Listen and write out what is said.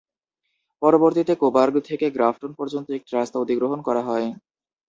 পরবর্তীতে কোবার্গ থেকে গ্রাফটন পর্যন্ত একটি রাস্তা অধিগ্রহণ করা হয়।